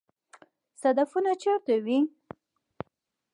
صدفونه چیرته وي؟